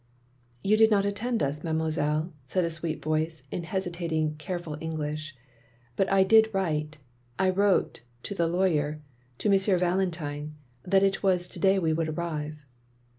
"You did not attend us. Mademoiselle?" said a sweet voice, in hesitating, careful English. "But I did write, I wrote — ^to the lawyer, to M. Valentine, that it was to day we would arrive.